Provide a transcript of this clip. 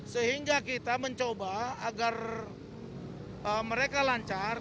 sehingga kita mencoba agar mereka lancar